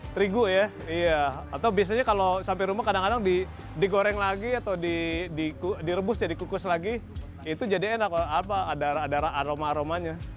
terigu ya iya atau biasanya kalau sampai rumah kadang kadang digoreng lagi atau direbus ya dikukus lagi itu jadi enak ada aroma aromanya